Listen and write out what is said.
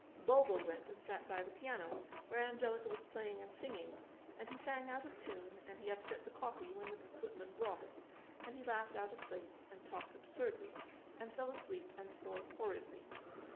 Bulbo went and sat by the piano, where Angelica was playing and singing, and he sang out of tune, and he upset the coffee when the footman brought it, and he laughed out of place, and talked absurdly, and fell asleep and snored horridly.